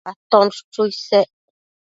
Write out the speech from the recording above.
Aton chuchu isec